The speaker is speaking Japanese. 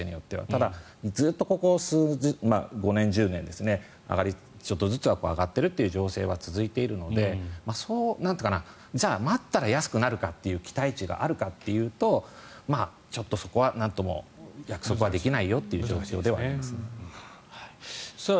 ただ、ずっとこの５年、１０年ちょっとずつ上がっているという情勢は続いているので待ったら安くなるかという期待値があるかというとちょっとそこはなんとも約束はできないよという状況ではあります。